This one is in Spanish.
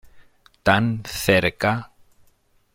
Tan cerca...